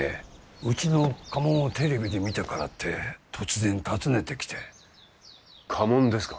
うちの家紋をテレビで見たからって突然訪ねてきて家紋ですか？